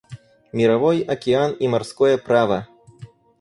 Мировой океан и морское право.